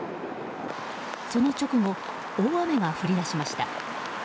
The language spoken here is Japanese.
その直後、大雨が降りだしました。